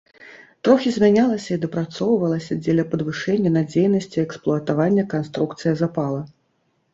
Трохі змянялася і дапрацоўвалася дзеля падвышэння надзейнасці эксплуатавання канструкцыя запала.